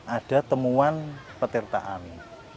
ada temuan petir taami